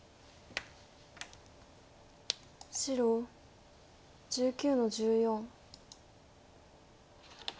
白１９の十四。